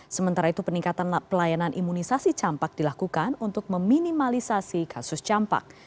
sementara itu peningkatan pelayanan imunisasi campak dilakukan untuk meminimalisasi kasus campak